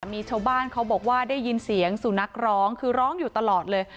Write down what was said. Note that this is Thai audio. มีชาวบ้านเขาบอกว่าได้ยินเสียงสุนัขร้องคือร้องอยู่ตลอดเลย